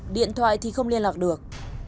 điện thoại thì không liên lạc được